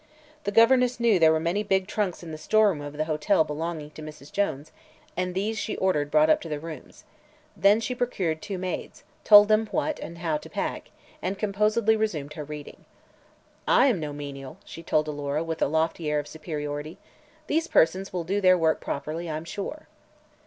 The governess knew there were many big trunks in the storeroom of the hotel belonging to Mrs. Jones, and these she ordered brought up to the rooms. Then she procured two maids, told them what and how to pack, and composedly resumed her reading. "I am no menial," she told Alora, with a lofty air of superiority; "these persons will do their work properly, I'm sure."